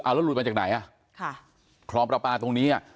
เอาแล้วหลุดมาจากไหนอ่ะค่ะครองปลาปลาตรงนี้อ่ะ